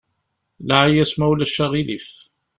Laɛi-yas ma ulac aɣilif.